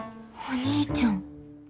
お兄ちゃん。